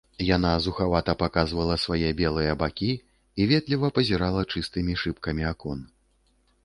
Яна зухавата паказвала свае белыя бакі і ветліва пазірала чыстымі шыбкамі акон.